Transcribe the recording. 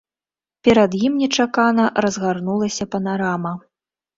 Перад ім нечакана разгарнулася панарама.